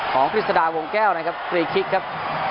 ของคริสตาวงแก้วนะครับฟรีคิกครับ